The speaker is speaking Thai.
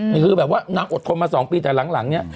คือแบบว่านางอดทนมา๒ปีแต่หลังเนี่ย